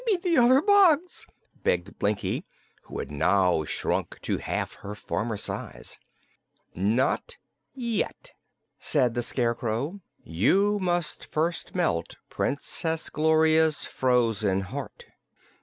Give me the other box," begged Blinkie, who had now shrunk to half her former size. "Not yet," said the Scarecrow. "You must first melt Princess Gloria's frozen heart."